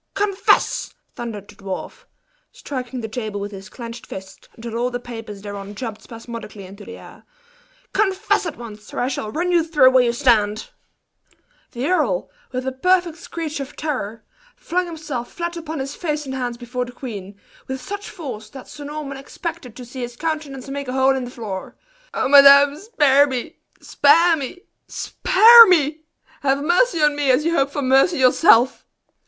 "Confess!" thundered the dwarf, striking the table with his clinched fist, until all the papers thereon jumped spasmodically into the air "confess at once, or I shall run you through where you stand!" The earl, with a perfect screech of terror, flung himself flat upon his face and hands before the queen, with such force, that Sir Norman expected to see his countenance make a hole in the floor. "O madame! spare me! spare me! spare me! Have mercy on me as you hope for mercy yourself!"